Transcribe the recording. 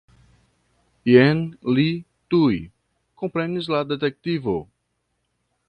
Jen li, tuj komprenis la detektivo.